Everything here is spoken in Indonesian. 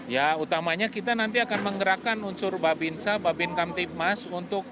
ya utamanya kita nanti akan menggerakkan unsur babinsa babin kamtipmas